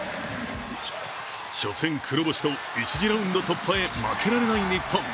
初戦黒星と１次ラウンド突破へ負けられない日本。